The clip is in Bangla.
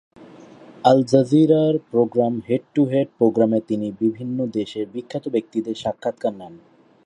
আল-জাজিরার প্রোগ্রাম "হেড টু হেড" প্রোগ্রামে তিনি বিভিন্ন দেশের বিখ্যাত ব্যক্তিদের সাক্ষাৎকার নেন।